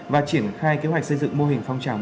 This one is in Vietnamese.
và triển khai kế hoạch xây dựng mô hình phong trào